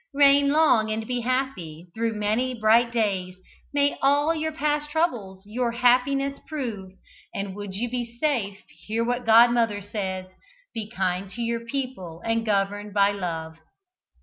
Reign long and be happy through many bright days, May all your past troubles your happiness prove, And would you be safe hear what godmother says, Be kind to your people, and govern by love!"